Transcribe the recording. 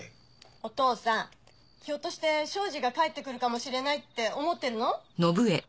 お父さんひょっとして彰二が帰ってくるかもしれないって思ってるの？